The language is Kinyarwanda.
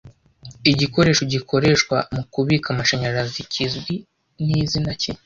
Igikoresho gikoreshwa mukubika amashanyarazi kizwi nizina ki